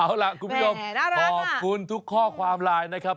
เอาล่ะคุณผู้ชมขอบคุณทุกข้อความไลน์นะครับ